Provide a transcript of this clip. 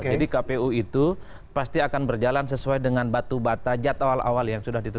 jadi kpu itu pasti akan berjalan sesuai dengan batu bata jad awal awal yang sudah ditutupi